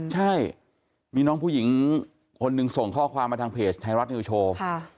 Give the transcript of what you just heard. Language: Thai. ใช่มีน้องผู้หญิงคนหนึ่งส่งข้อความมาทางเพจไทยรัฐนิวโชว์